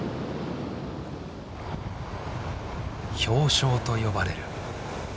「氷晶」と呼ばれる。